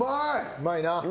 うまいな。